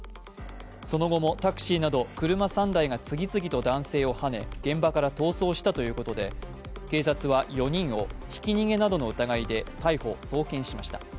その後もタクシーなど車３台が次々と男性をはね、現場から逃走したということで、警察は４人をひき逃げなどの疑いで逮捕・送検しました。